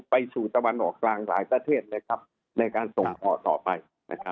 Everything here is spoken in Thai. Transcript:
ไปสู่ตะวันออกกลางหลายประเทศเลยครับในการส่งออกต่อไปนะครับ